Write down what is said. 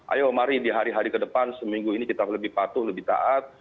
ayo mari di hari hari ke depan seminggu ini kita lebih patuh lebih taat